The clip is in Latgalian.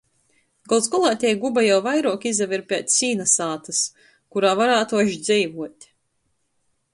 Gols golā tei guba jau vairuok izaver piec sīna sātys, kurā varātu až dzeivuot.